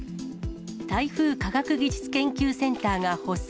台風科学技術研究センターが発足。